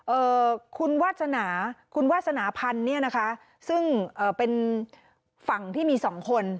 เอ่อคุณวาสนาคุณวาสนาพันธ์เนี่ยนะคะซึ่งเอ่อเป็นฝั่งที่มีสองคน